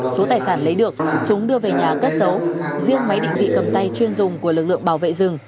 cơ về nhà cất dấu riêng máy định vị cầm tay chuyên dùng của lực lượng bảo vệ rừng